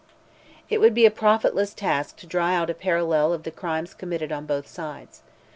It would be a profitless task to draw out a parallel of the crimes committed on both sides.